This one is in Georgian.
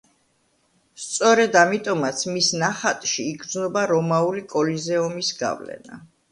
სწორედ ამიტომაც მის ნახატში იგრძნობა რომაული კოლიზეუმის გავლენა.